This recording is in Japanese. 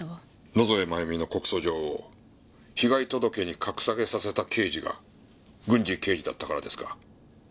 野添真由美の告訴状を被害届に格下げさせた刑事が郡侍刑事だったからですか？